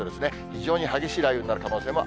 非常に激しい雷雨になる可能性も